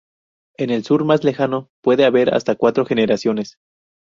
En el sur más lejano, puede haber hasta cuatro generaciones.